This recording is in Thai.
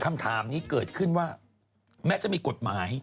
คำถามนี้เกิดขึ้นว่าแม้จะมีกฎหมาย